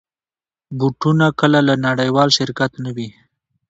بوټونه کله له نړېوال شرکت نه وي.